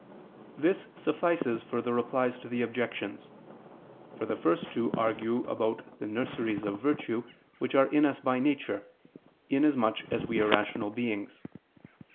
This suffices for the Replies to the Objections. For the first two argue about the nurseries of virtue which are in us by nature, inasmuch as we are rational beings.